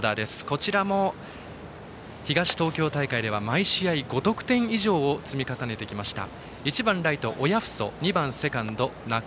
こちらも東東京大会では毎試合５得点以上を積み重ねてきました。